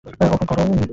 ওহ, গরম।